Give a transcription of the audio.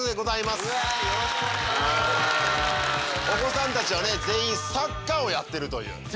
お子さんたちは全員サッカーをやってるという。